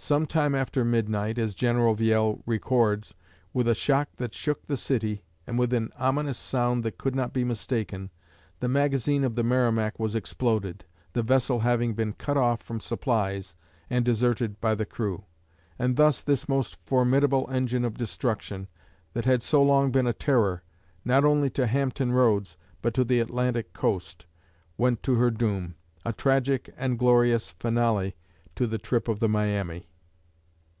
Some time after midnight, as General Viele records, "with a shock that shook the city, and with an ominous sound that could not be mistaken, the magazine of the 'Merrimac' was exploded, the vessel having been cut off from supplies and deserted by the crew; and thus this most formidable engine of destruction, that had so long been a terror, not only to Hampton Roads, but to the Atlantic coast, went to her doom, a tragic and glorious finale to the trip of the 'Miami.'"